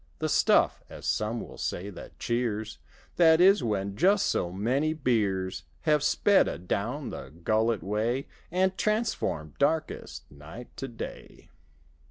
The stuff (as some will say) that cheers: That is, when just so many beers Have sped adown the gullet way. And transformed darkest night to day.